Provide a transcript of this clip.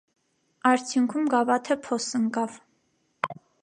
Արդյունքում գավաթը փոս ընկավ։